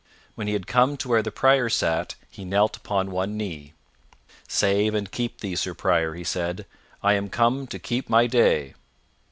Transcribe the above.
When he had come to where the Prior sat, he knelt upon one knee. "Save and keep thee, Sir Prior," said he, "I am come to keep my day."